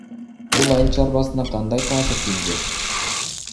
Бул айыл чарбасына кандай таасир тийгизет?